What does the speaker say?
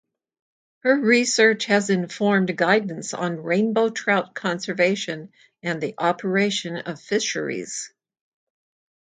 Her research has informed guidance on rainbow trout conservation and the operation of fisheries.